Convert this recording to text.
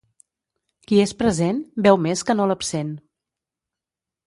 Qui és present, veu més que no l'absent.